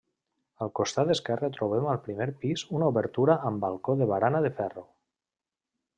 Al costat esquerre trobem al primer pis una obertura amb balcó de barana de ferro.